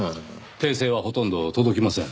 訂正はほとんど届きません。